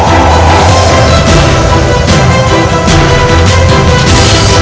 dengan raga kian santai